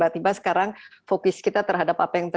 dihukum tentang it